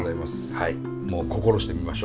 はい。